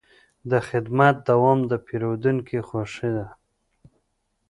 د خدمت دوام د پیرودونکي خوښي ده.